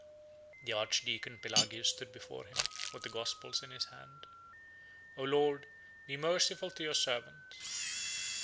The archdeacon Pelagius 13 stood before him, with the Gospels in his hand. "O Lord, be merciful to your servant."